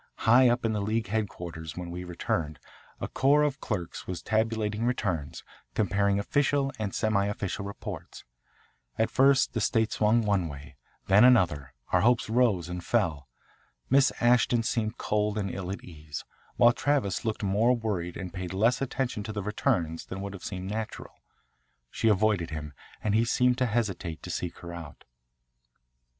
High up in the League headquarters, when we returned, a corps of clerks was tabulating returns, comparing official and semi official reports. As first the state swung one way, then another, our hopes rose and fell. Miss Ashton seemed cold and ill at ease, while Travis looked more worried and paid less attention to the returns than would have seemed natural. She avoided him and he seemed to hesitate to seek her out.